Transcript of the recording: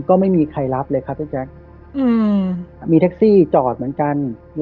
ก็ไม่มีใครรับเลยครับพี่แจ๊คมีแท็กซี่จอดเหมือนกัน